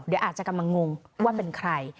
เดี๋ยวอาจจะกำลังงงว่าเป็นใคร